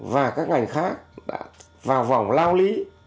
và các ngành khác đã vào vòng lao lý